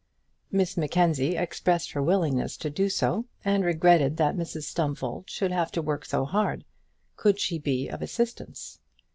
Miss Mackenzie expressed her willingness to do so and regretted that Mrs Stumfold should have to work so hard. Could she be of assistance?